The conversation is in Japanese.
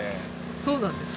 そうなんですか？